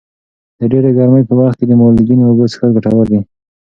د ډېرې ګرمۍ په وخت کې د مالګینو اوبو څښل ګټور دي.